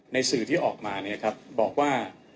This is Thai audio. สื่อที่ออกมาเนี่ยครับบอกว่า